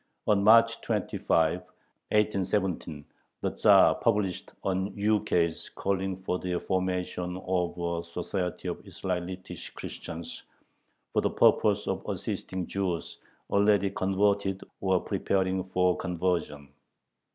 On March 25, 1817, the Tzar published an ukase calling for the formation of a "Society of Israelitish Christians," for the purpose of assisting Jews already converted or preparing for conversion.